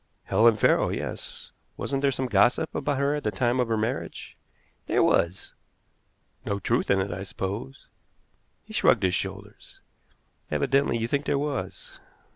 "Helen Farrow yes. Wasn't there some gossip about her at the time of her marriage?" "There was." "No truth in it, I suppose?" He shrugged his shoulders. "Evidently you think there was."